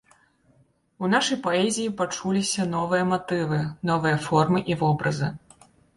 У нашай паэзіі пачуліся новыя матывы, новыя формы і вобразы.